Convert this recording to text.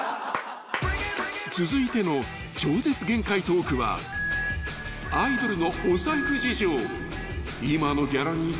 ［続いての超絶限界トークはアイドルのお財布事情］